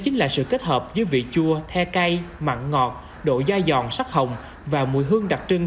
chính là sự kết hợp giữa vị chua the cây mặn ngọt độ dai giòn sắc hồng và mùi hương đặc trưng